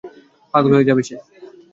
পাগল হয়ে যাবে সে।